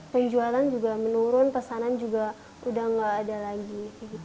penjualan juga menurun pesanan juga sudah tidak ada lagi